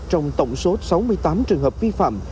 trong tổng số sáu mươi tám trường hợp vi phạm